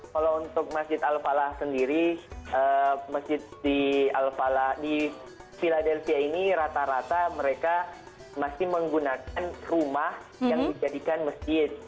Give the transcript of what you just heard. kalau untuk masjid al falah sendiri masjid di al falah di philadelphia ini rata rata mereka masih menggunakan rumah yang dijadikan masjid